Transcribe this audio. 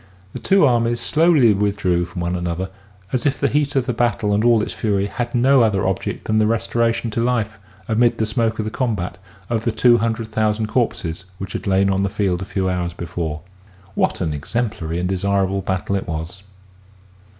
The two armies slowly withdrew from one another, as if the heat of the battle and all its fury had no other object than the restoration to life, amid the smoke of the combat, of the two hundred thousand corpses which had lain on the field a few hours before. What an exemplary and desirable battle it was